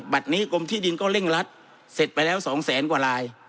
บัตรนี้กรมที่ดินก็เร่งรัดเสร็จไปแล้ว๒แสนกว่าลาย